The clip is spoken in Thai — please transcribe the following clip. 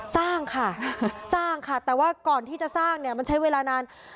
สร้างค่ะสร้างค่ะแต่ว่าก่อนที่จะสร้างเนี่ยมันใช้เวลานาน